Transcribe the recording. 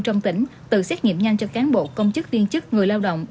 trong tỉnh tự xét nghiệm nhanh cho cán bộ công chức viên chức người lao động